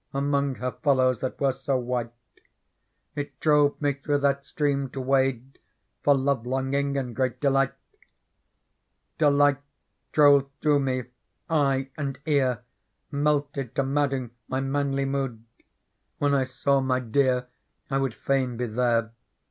Among her fellows thatwer5~5o^hite. It drove me, through that streai n to wade For love longing anJ great aeiigfat. Delight^ drove through me, eye and ear, Melted to madHingjmj manly mood ; When I saw my dear, I would fain be there.